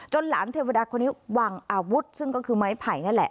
หลานเทวดาคนนี้วางอาวุธซึ่งก็คือไม้ไผ่นั่นแหละ